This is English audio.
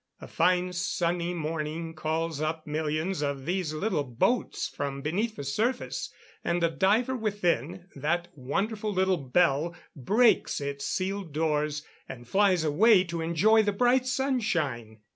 A fine sunny morning calls up millions of these little boats from beneath the surface, and the diver within that wonderful little bell breaks its sealed doors, and flies away to enjoy the bright sunshine.